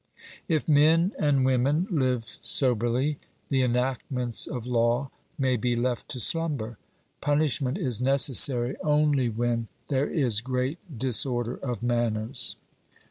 If men and women live soberly, the enactments of law may be left to slumber; punishment is necessary only when there is great disorder of manners.